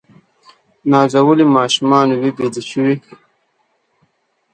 نازولي ماشومان وه بیده شوي